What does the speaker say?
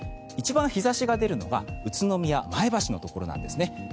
一番日差しが出るのは宇都宮、前橋のところなんですね。